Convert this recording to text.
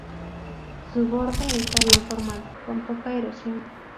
Su borde está bien formado, con poca erosión.